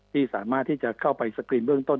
ที่สามารถที่จะเข้าไปสกรีนเบื้องต้น